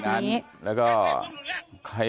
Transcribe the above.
ใช่อะไรแบบนี้